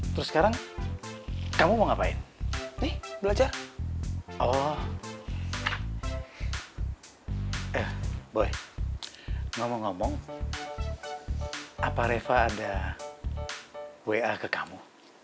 terus sekarang kamu mau ngapain nih belajar oh eh boleh ngomong ngomong apa reva ada wa ke kamu